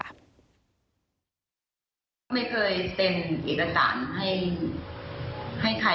บางอย่างก็ช่างเหอะค่ะ